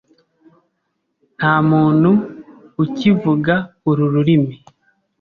Nta muntu ukivuga uru rurimi.